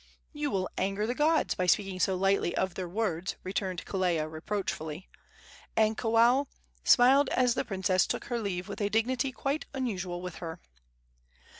"You will anger the gods by speaking so lightly of their words," returned Kelea, reproachfully; and Kawao smiled as the princess took her leave with a dignity quite unusual with her.